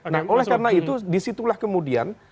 nah oleh karena itu disitulah kemudian